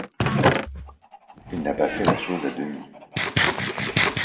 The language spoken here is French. Il n'a pas fait la chose à demi.